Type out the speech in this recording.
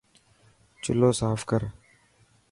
چلو صاف ڪر.